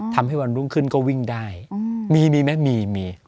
ทำให้วันรุ่งขึ้นก็วิ่งได้มีมีไหมมีมี